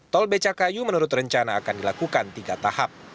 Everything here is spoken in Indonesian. tol becakayu menurut rencana akan dilakukan tiga tahap